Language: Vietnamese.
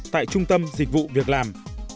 tại trung tâm dịch vụ việc làm